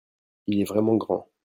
Il est vraiment grand.